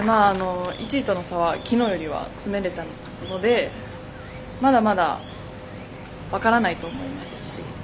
１位との差はきのうより詰めれたのでまだまだ、分からないと思いますし。